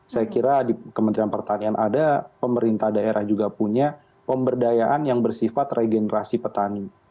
saya kira di kementerian pertanian ada pemerintah daerah juga punya pemberdayaan yang bersifat regenerasi petani